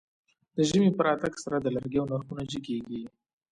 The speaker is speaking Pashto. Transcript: د ژمی په راتګ سره د لرګيو نرخونه جګېږي.